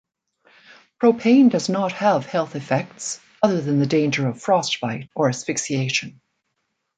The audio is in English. Propane does not have health effects other than the danger of frostbite or asphyxiaton.